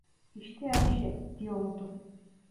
İşte Ayşe, diyordu.